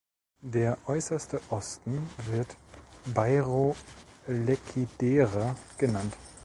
Der äußerste Osten wird Bairo Lecidere genannt.